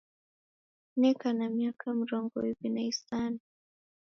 Neka na miaka mrongu iw'i na isanu